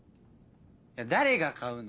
誰が買うの？